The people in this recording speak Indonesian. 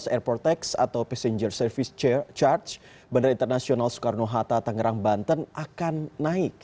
airport tax atau passenger service charge bandara internasional soekarno hatta tangerang banten akan naik